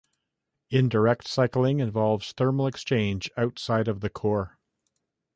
Indirect cycling involves thermal exchange outside of the core.